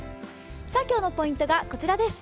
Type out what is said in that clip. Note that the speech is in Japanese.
今日のポイントがこちらです。